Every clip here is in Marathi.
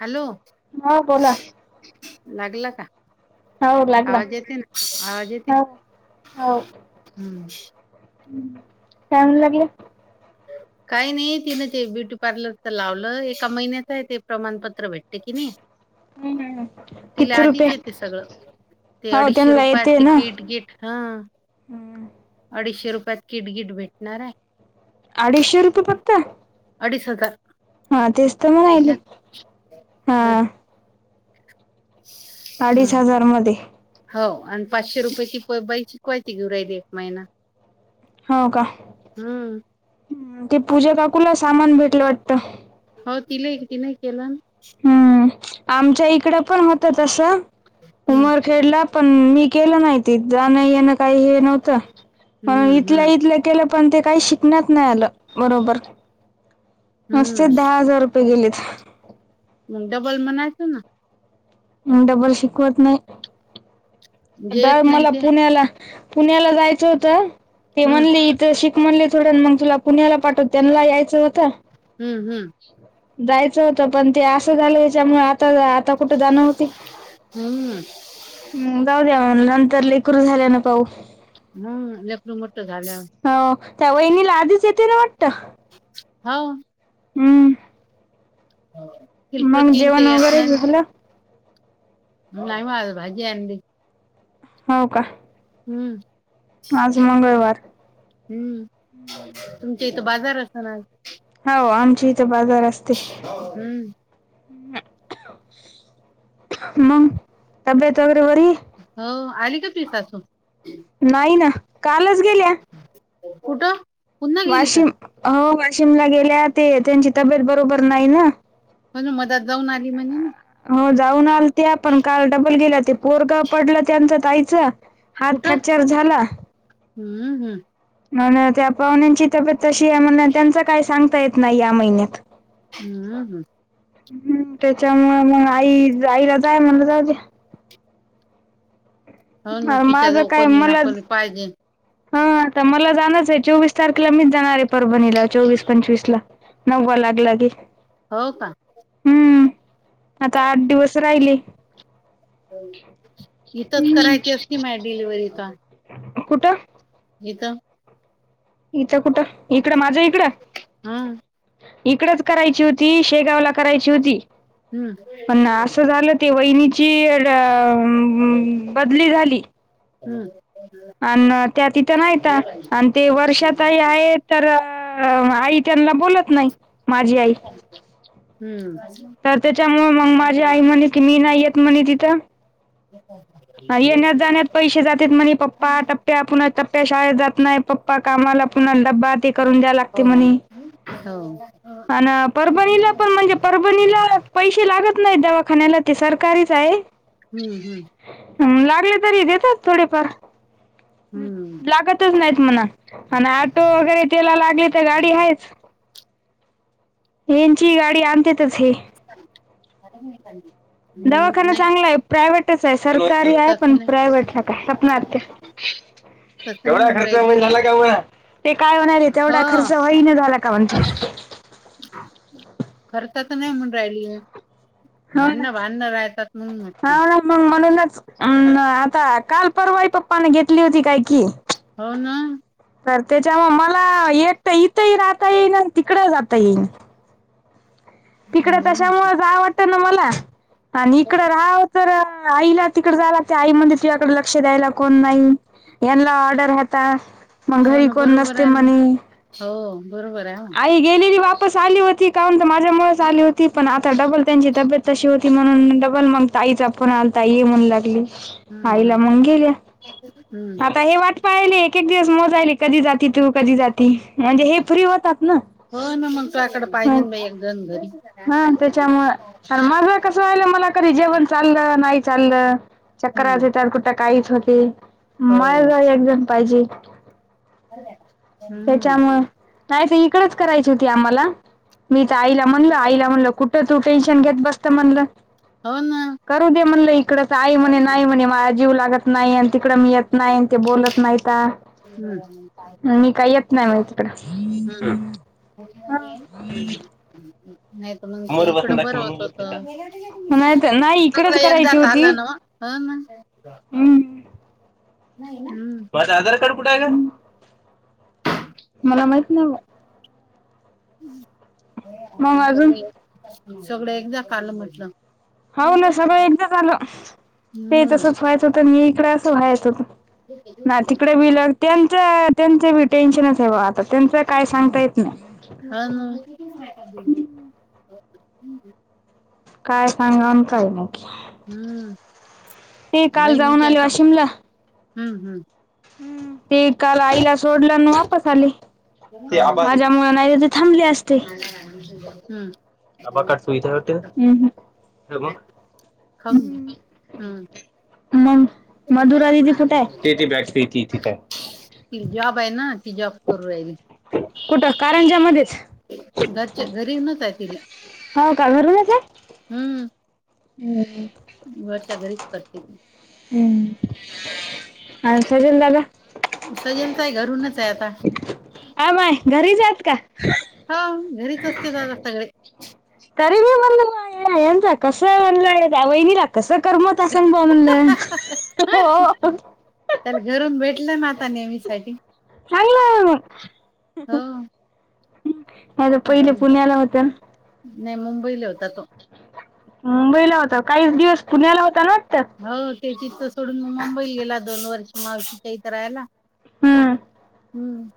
हॅलो हा बोला लागला का. हो लागला आवाज येते ना आवाज येते हो हम्म. हं काय म्हणू लागले? [unintelligible] काय नाही तिनं ते ब्युटी पार्लरचं लावलं एका महिन्याच आहे ते प्रमाणपत्र भेटते की नाही. हम्म तिला किती रुपये? आधीच येते सगळं ते हो अडीचशे त्यांना रुपयात येते ना तिकिट गिट हा. अडीचशे रुपयात किट गिट भेटणार आहे. अडीचशे रुपये फक्त. अडीच हजार. हा तेच तर आहे म्हणायले का हा. होय. अडीच हम्म. हजार मध्ये. हो आणि पाचशे रुपयेची प बाई शिकवायची घेऊ राहिली एक महिना. हाव का हम्म हं ते पूजा काकूला सामान भेटलं वाटत. हो तिलाय तिन नाही केलन. हम्म आमच्या इकडं पण होतं तस हम्म उमरखेडला. पण मी केलं नाही ते जान येन काही हे नव्हतं म्हणून हम्म इथल्या हम्म इथल्या केलं पण ते काही शिकण्यात नाही आलं बरोबर. मस्तेच हम्म दहा हजार रुपये गेलेत. मग डबल म्हणायचं ना. म डबल शिकवत नाही. जे दा येत नाही मला ते पुण्याला पुण्याला जायचं होतं ते हम्म म्हणले इ ते शिक म्हणले थोडं मग तुला पुण्याला पाठवत त्यांनाही यायचं होत. हम्म हम्म. जायचं होत पण ते असं झालं याच्यामुळे आ चल आ आता कुठे जाणं होते हम्म म जाऊ द्या नंतर लेकरू झाल्या ना पाहू. हम लेकर मोठं झाल्यावर. हो त्या वहिणीला आधीच येते ना वाटत. हाव. हम्म. हिकडं मग तीन चे जेवण येत वगैरे नाही ना. झालं नाही म आज भाजी आणली. हाव का. हम्म. आज मंगळवार. हम्म तुमच्या इथं बाजार असन आज. हाव आमच्या इथं बाजार असते. हम्म. मग. तब्येत वगैरे बरी आहे? हो आली का तुझी सासू? नाही ना कालच गेल्या. कुठं? पुन्हा गेली का वाशिम हो वाशिमला गेले ते त्यांची तब्येत बरोबर नाही ना. म्हणून मदात जाऊन आली म्हणेे ना. हो जाऊन आलते आपण काल डबल गेल्या ते पोरगं पडलं त्यांच ताईचं. हात कुठं फ्रॅक्चर झाला. हम्म हम्म. नाई ना त्या पाहुण्यांची तब्येत तशी आहे म्हणल्यावर त्यांच काही सांगता येत नाही या महिन्यात. हम्म हं. हम्म त्याच्यामुळं मग आई आईला जाय म्हणलं जाऊद्या. हो न अरे तिच्या माझं जवळ काय कोणी ना मला कोणी पाहिजे. हा आता मला जाणच आहे चोवीस तारखेला मीच जाणार आहे परभणीला चोवीस पंचवीस ला. नववा लागलागे. हो का. हम्म आता आठ दिवस राहिले. इथंच करायची असती माय डिलिव्हरी ता कुठं? इथं. इथं कुठं इकडं माझ्या इकडं हम्म इकडच करायची होती शेगावला करायची होती हम्म पण असं झालं ते वैनीची झाली हम्म. आणि त्या तिथं नाहीता अन् ते वर्षाताई आहे तर आई त्यांना बोलत नाही, माझी आई. हम्म तर त्याच्यामुळे मग माझी आई म्हणे की मी नाही येत म्हणे तिथं [unintelligible] येण्यात जाण्यात पैसे जात्यात म्हणे पप पा टप्प्या पुन्हा टप्प्या शाळेत जात नाही पप्पा कामाला पुन्हा ड्बा हो हो. आणि परभणीला पण म्हणजे परभणीला पैसे लागत नाही दवाखान्याला ते सरकारीच आहे. हम्म हम्म लागले तरी देतात थोडेफार हम्म लागत नाहीत म्हणा आणि ऑटो वगैरे त्यायला लागले तर गाडी आहेच. यांची गाडी आमच्या येथेच हे [unintelligible] दवाखाना नाही चांगला आहे प्रायव्हेटच आहे सरकारी आहे पण प्रायव्हेटला सारखं हाय, सपना आत्या हम्म केवढ्या खर्चा म्हण झाला ते काय म्हणालेत एवढा ह खर्च होईना झालाय का म्हणतेत खर्चा तर नाही म्हणून राहिलीय हो ना भांडण भांडण राहतात म्हणून म्हटलं हो ना मग म्हणूनच अ आता काल परवाई पप्पाने घेतली होती काय कि हो ना तर त्याच्या म मला एक तर इथही राहता येईन आणि तिकड जाता येईना तिकड हम्म तशामुळेच जाऊ वाटणा मला आणि इकडं राहावं तर आईला तिकडे जायला लागतंय आई म्हणते तिचाकडे लक्ष द्यायला कोण नाही यांना ऑर्डर हता. मग हो घरी ना कोण बरोबर नसते आहे ना म्हणे हो बरोबर आहे ओ आई गेलेली वापस आली होती काण तर माझ्यामुळेच आली होती पण आता डबल त्यांची तब्येत तशी होत ती म्हणून डबल मग ताईचा पण आला ताई म्हणू लागली. हम्म आईला मग गेल्या. हम्म हम्म आता हे वाट पाहिली एक एक दिवस मोजाहिली कधी जाती तू कधी जाती म्हणजे हे फ्री होतात. ना. हो ना मग तू्याकड होय. पाहिजे बा एक जण हा घरी त्याच्यामुळं माझं कसं आलं मला कधी जेवण चाल नाही चाल चक्कर हम्म येते तर कुठ काहीच होते हो माझ्याजवळ एक जण पाहिजे. हम्म त्याच्यामुळे नाही तर इकडच करायची होती आम्हाला मी तर आईला म्हणलो आईला म्हणल कुठं तू टेन्शन घेत बसत म्हणलं हो ना करू दे म्हणलं इकडंच आई म्हणे नाही म्हणे मला जीव लागत नाही आणि तिकडं मी येत नाही ते बोलत नाहीता हम्म म्हणे तिकडं हम्म हम्म हम्म नाही मण समोर इकड बसून दाखव बरं म्हणून होत बोलते का नाही होत तर नाही इकडंच सगळं करायची एकदाच होती आलं नव्ह हो ना हम्म नाही ना हम्म. माझा आधार कार्ड कुठे आहे गं? मला माहित बुवा. मग अजून सगळं एकदा कालं म्हटलं. हो ना सगळं एकदा झालं ते हम्म तसंच व्हायच होतं आणि मी इकड असं व्हायच होतं ना तिकडे बि लग त्यांच त्यांच बी टेन्शनच आहे बुआ आता त्यांच काय सांगता येत नाही. हा ना. काय सांगाव आणि काय नाही. हम्म. ते काल जाऊन बहिणीच्या हाय आले का? हम्म हम्म. हम्म ते काल आईला सोडलं आणि वापस आले. हम्म हो माझ्यामुळं नाही तर थांबले असते. हम्म आबा [unintelligible] विचारत्यात? हं हं. तर मग? खाऊन घ्या हम्म. मग मधुरा दिदी कुठे आहे? ति जॉब आहे ना ती जॉब करू राहिली. कुठं कारंजामध्येच घरच्या घरीव [unintelligible] त्या तिला. हो का? घरूनच हाय? हम्म. हम्म. वर सगळीच करतेत. हम्म काय तरी लेका. [unintelligible] ताई घरूनच आहे आता. ए माय घरीच हायत का? हो. घरीच असते दादा सगळे [inaudible] तरी मी म्हनलं यांचा कस आहे म्हनलं हे वहिनी लाग कसं करमत असंन बुवा म्हणलं हो. त्याला धरून भेटलं [unintelligible] चांगलं हो आम्ही. हो. नाहीतर आता पहिले पुण्याला होते ना. नाही मुंबईला होता तो. मुंबईला होता काही दिवस पुण्याला होता ना वाटत. हो ते तिथं सोडून मग मुंबईल गेला दोन वर्ष मावशीच्या इथं राहायला. हम्म. हम्म.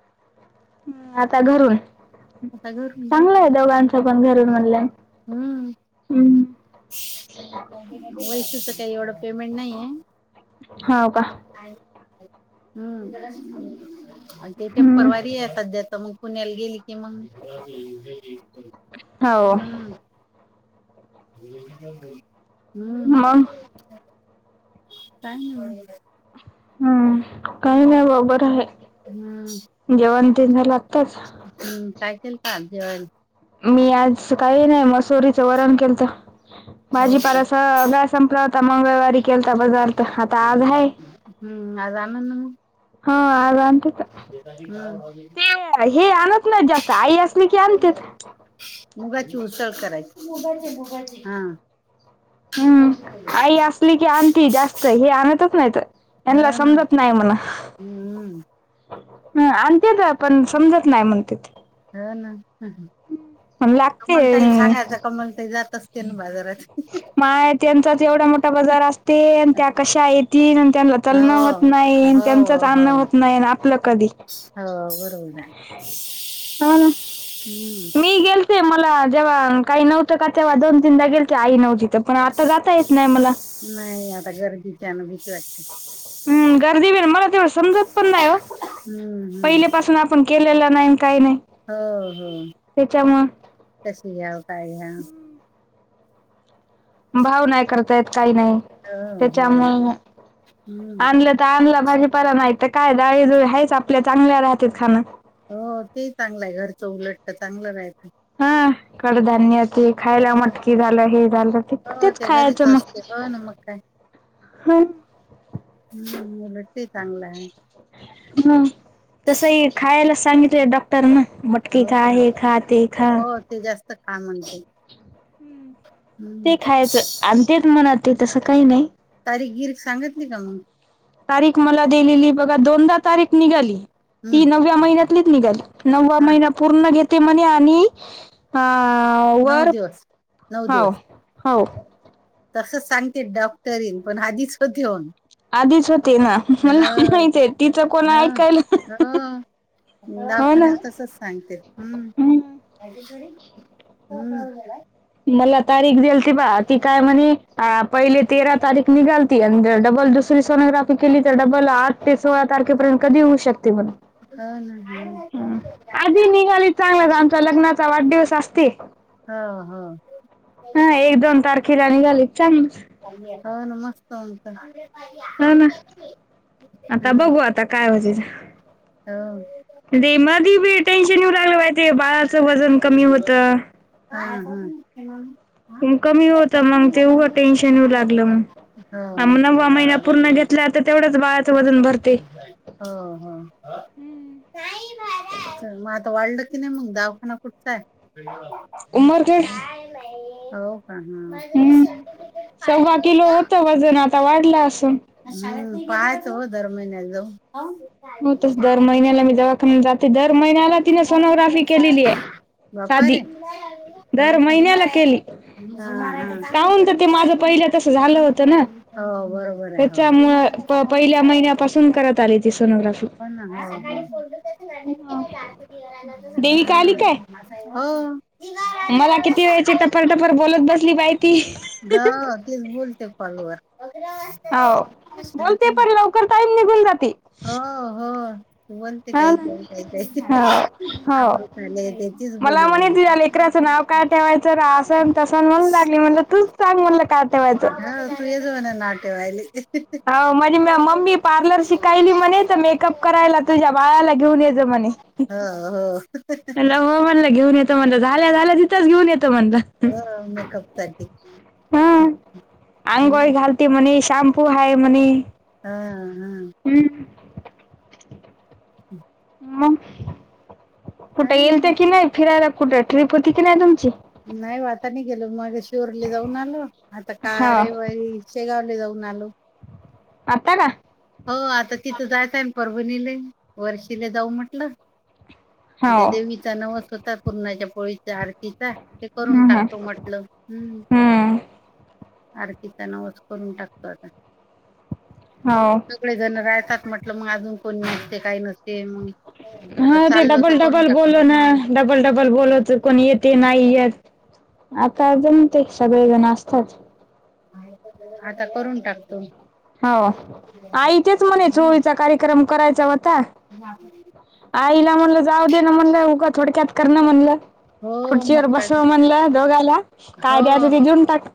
हं आता घरून आता घरून चांगलं आहे दोघांच पण घरून ऑनलाईन. हम्म. वैशुच काही एवढं पेमेंट नाहीये. हाव का? काय? हम्म आणि ते हम्म. टेंपरवारी हाय सध्या तर मग पुण्याला गेली. तेव्हा मग हो हम्म. हम्म, मग काय म्हण? हम्म, काही नाही बा बर आहे. हम्म. जेवण तेन झालं आत्ताच. हम्म, काय केलंत आज जेवायले? मी आज काही नाही मसोरीचं वरण केलंत हो का भाजीपाला सगळा संपला होता मंगळवारी केलता बजार आता आज आहे. हम्म आज आला नाही मग. हम्म, आज आमचे हम्म ते हे आणत नाही जास्त आई असली की आणते मुगाची उसळ करायचीगा मुगाची हा [inaudible] आपली की आणती जास्त हे आणतच तर यांना ना समजत नाही म्हणा हम्म ह आणि ते तर पण समजत नाही म्हणते हा ना ह पण लागते कमलताई अं, सांगायच कमलताई जात असते ना बाजारात माय त्यांचाच एवढा मोठा बजार असते आणि त्या कशा येतील आणि त्यांना चलण होत हो नाही हो त्यांचच आणण हो हो होत नाही आपलं कधी बरोबर आहे हा ना हम्म मी गेलते मला जेव्हा काही नव्हतं का तेव्हा दोन तीनदा गेलते आई नव्हती ते पण आता जाता येत नाही मला नाही आता गर्दी च्या या ना भिती वाटते हम्म गर्दी ब मला तेवढ समजत पण नाही हो हम्म हम्म पहिले पासून आप पण केलेला नाही काही नाही हो हो त्याच्यामुळं कशी घ्या काय घ्या भाव नाही करता येत काही नाही हो त्याच्या हो मुळ हम्म आणलंत ता आणला भाजी परा नाहीत काय डळीजुळी हेच आपल्या चांगल्या राहतील खाणं हो ते चांगलं आहे घरचं उलट तर चांगलं राहतं हा कड धान्यती खायला हो मटकी झालं हे झालं त हो तेच ते घरीच खायचं मग असते हो ना मग काय हय हम्म भटे चांगलंय ह तसंही खायला सांगितलंय डॉक्टर ना मटकी हो खा का हे खा ते खा हो ते जास्त खा म्हणते हम्म ते खायचं आणि तेच मनात ते तसं काही नाही तारी गिरी सांगितली का मग तारीख मला दिलेली बघा दोनदा तारीख निघाली ती हम्म नवव्या महिन्यात निघाल नववा हा महिना पूर्ण घेते म्हणे आणि हा नऊ वर दिवस हो हो तसंच सांगते डॉक्टरीन पण आधीच हो देेऊन आधीच होते ना मला माहित आहे तिचं कोण हो ऐकायला हो हो ना दवाखान्यात तसच सांगते हम्म माहिती जुडी झालाय हम्म मला तारीख देल त बा ती काय म्हणे आ पहिले तेरा तारीख निघालती आणि डबल दुसरी सोनोग्राफी केली तर डबल आठ ते सोळा तारखेपर्यंत कधी होऊ शकते म्हण हम्म, आधी निघाली चांगलाच आमचा लग्नाचा वाढदिवस असते हो हो. हा एक दोन तारखेला निघाली चांगली हो ना मस्त आंत हा ना आता बघू आता काय वजेच हो रेमा दि बी टेन्शन येऊ लागलं पाहि ते बाळाचं वजन कमी होतं हा हम कमी होत मग तेवघं टेन्शन येऊ लागलं मग हो मग नववा महिना पूर्ण घेतल्यात. ते तेवडच बाळाचं वजन भ हो हो. मग आता वाढलं की नाही मग दवाखाना कुठचा आहे? उमर काय हो का हा. सव्वा किलो होतं वजन आता वाढला असून. पायच हो दर महिन्या जाऊ होऊ. होतच दर महिन्याला मी दवाखान्यात जाते दर महिन्याला तिने सकाळी मोठी सोनोग्राफी शाळा केलेली आहे. बापा रे साधी हो दर का. महिन्याला केली काहून तर ते माझं ह पहिलं तसं झालं होतं ना हो बरोबर आहे त्याच्यामुळं हो. प सकाळून पहिल्या शाळा आहे. महिन्यापासून करत आली ती सोनोग्राफी. हो ना हम्म देविका आली काय हम्म. हो. मला एवढं किती वेळची सकाळी टफरटफर बोलत बसली पाही ती. अ ते बोलते कॉल वर. शां तर लवकर टाईम निघून जाते. हो हो. बोलते हा काही का का काही हो आ हो झाले त्याचीच बोल. का ठेवायचं रा असन तसान म्हण लागली म्हणलं तूच चांग म्हणलं का ठेवायचं. लई जन नाट्यवाले. हो म्हणजे मम्मी पार्लर शिकायल ती म्हणे मेकअप करायला तुझ्या बाळाला घेऊन याेत म्हणे. हो हो म्हणलं घेऊन येतो म्हण झाल्या झाल्या तिथंच घेऊन येतं म्हणलं. ह मेकअपसाठी हम्म. ते म्हणे शॅम्पू आहे म्हणे. हा हा. हम्म. अहं म कुठे येल ते की नाही फिरायला कुठे ट्रीप होती कि नाही तुमची? नाही वातानी गेलो माग शिरली जाऊन आलो आता का हा रविवारी. शेगावले जाऊन आलो. आत्ता रा हो आता तिथं जायचं आहे ना परभणीले वर्षीले जाऊ म्हटलं. त्या हो. देवीचा नवस होतात पूर्णाच्या पोळीचार. तिचा ते करून हम्म हम्म. टाकतो म्हटलं हम्म. हम्म आरतीचा नवस करून टाकतो आता. हाव. सगळे जण राहतात म्हटलं मग अजून कोणी नसते काही नसते मग. आता चालल तर करून टाक ह. वर डबल बोलवत कोणी येते नाही येत आताजण ते सगळेजण असतात. आता करून टाकतो. हो आ आईचेच म्हणे च होळीचा कार्यक्रम करायचा होता. हां. आईला म्हणलं जाऊ दे ना म्हणलं उगं थोडक्यात करणं म्हणलं. हो मग खुर्चीवर काय तर बसव म्हणलं दोघाला काय हो द्यायचं जे जेऊन टाक.